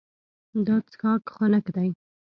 دا څښاک خنک دی.